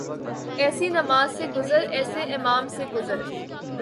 ایسی نماز سے گزر ، ایسے امام سے گزر